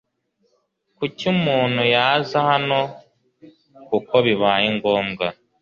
Kuki umuntu yaza hano kuko bibaye ngombwa